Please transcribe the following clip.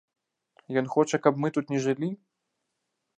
Ён хоча, каб мы тут не жылі?